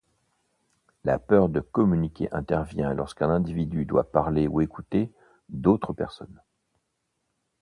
La peur de communiquer intervient lorsqu’un individu doit parler ou écouter d’autres personnes.